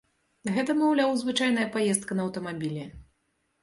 Гэта, маўляў, звычайная паездка на аўтамабілі.